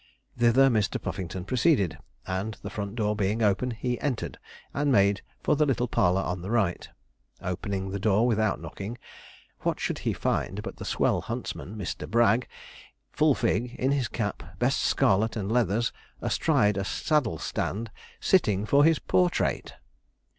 Thither Mr. Puffington proceeded; and the front door being open he entered, and made for the little parlour on the right. Opening the door without knocking, what should he find but the swell huntsman, Mr. Bragg, full fig, in his cap, best scarlet and leathers, astride a saddle stand, sitting for his portrait!